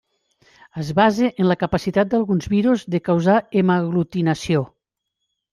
Es basa en la capacitat d’alguns virus de causar hemaglutinació.